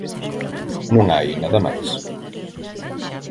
¿Non hai nada máis?